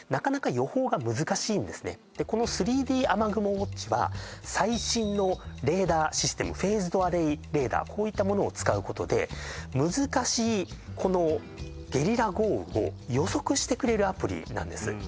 ウォッチは最新のレーダーシステムフェーズドアレイレーダこういったものを使うことで難しいこのゲリラ豪雨を予測してくれるアプリなんです